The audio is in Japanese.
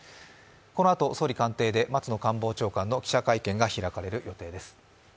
このあと総理官邸で松野官房長官の記者会見が開かれる予定です。